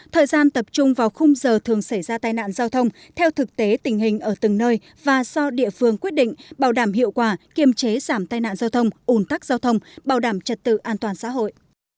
thời gian tập trung vào khung giờ thường xảy ra tai nạn giao thông theo thực tế tình hình ở từng nơi và do địa phương quyết định bảo đảm hiệu quả kiềm chế giảm tai nạn giao thông ủn tắc giao thông bảo đảm trật tự an toàn xã hội